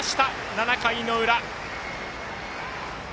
７回の裏。